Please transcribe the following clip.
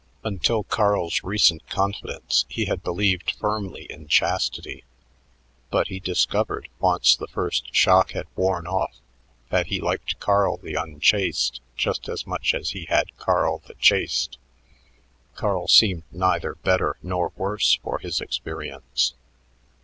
Until Carl's recent confidence he had believed firmly in chastity, but he discovered, once the first shock had worn off, that he liked Carl the unchaste just as much as he had Carl the chaste. Carl seemed neither better nor worse for his experience.